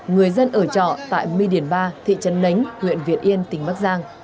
người dân ở trọ tại my điền ba thị trần nánh huyện việt yên tỉnh bắc giang